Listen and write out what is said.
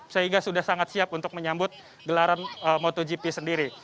sehingga sudah sangat siap untuk menyambut gelaran motogp sendiri